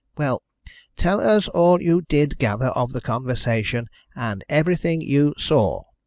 "Well, tell us all you did gather of the conversation, and everything you saw."